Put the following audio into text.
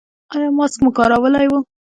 ایا ماسک مو کارولی و؟